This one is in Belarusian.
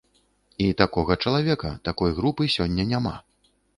І такога чалавека, такой групы сёння няма.